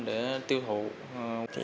để tiêu thụ